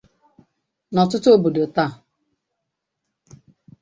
n'ọtụtụ obodo taa